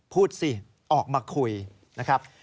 พูดสิออกมาคุยนะครับ